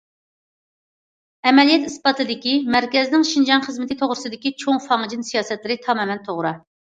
ئەمەلىيەت ئىسپاتلىدىكى، مەركەزنىڭ شىنجاڭ خىزمىتى توغرىسىدىكى چوڭ فاڭجېن، سىياسەتلىرى تامامەن توغرا.